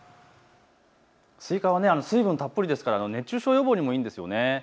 スイカは水分たっぷりですから熱中症予防にもいいんですよね。